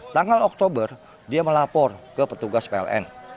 tanggal oktober dia melapor ke petugas pln